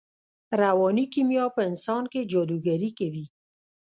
رواني کیمیا په انسان کې جادوګري کوي